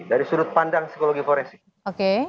dari sudut pandang psikologi forensik